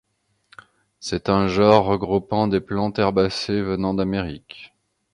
C'est un genre regroupant des plantes herbacées venant d'Amérique.